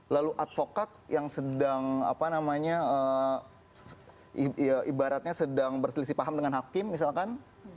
lalu advokat yang sedang ibaratnya berselisih paham dengan hakim misalkan